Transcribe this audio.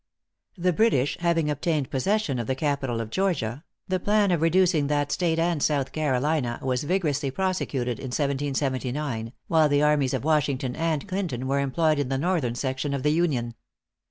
The British having obtained possession of the capital of Georgia, the plan of reducing that State and South Carolina was vigorously prosecuted in 1779, while the armies of Washington and Clinton were employed in the northern section of the Union.